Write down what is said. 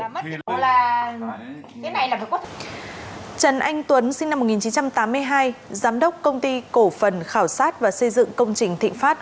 trần anh tuấn sinh năm một nghìn chín trăm tám mươi hai giám đốc công ty cổ phần khảo sát và xây dựng công trình thịnh pháp